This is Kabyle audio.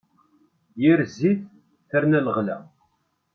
Yir zzit, terna leɣla.